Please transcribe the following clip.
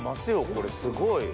これすごい。